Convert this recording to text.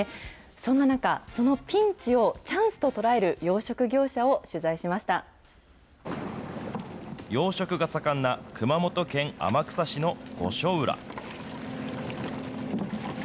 そんな中、そのピンチをチャンス養殖が盛んな熊本県天草市の御所浦。